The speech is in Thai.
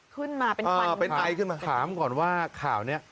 ขึ้นมาเป็นขวัญอ่าเป็นไอขึ้นมาถามก่อนว่าข่าวเนี่ย